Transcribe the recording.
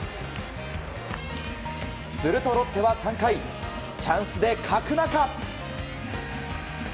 するとロッテは３回チャンスで角中。